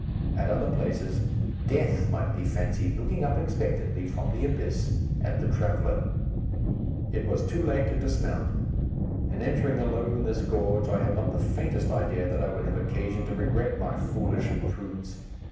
At other places, death might be fancied looking up expectantly, from the abyss, at the traveller. It was too late to dismount. In entering alone this gorge, I had not the faintest idea that I would have occasion to regret my foolish imprudence.